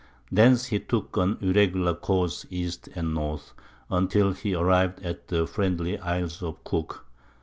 Thence he took an irregular course east and north, until he arrived at the Friendly Isles of Cook.